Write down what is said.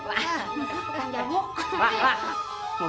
pak mbak mau